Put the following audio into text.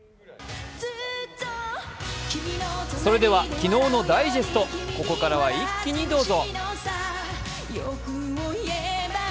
昨日のダイジェスト、ここからは一気にどうぞ。